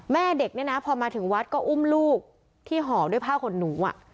แม่เด็กเนี่ยนะพอมาถึงวัดก็อุ้มลูกที่ห่อด้วยผ้าขนหนู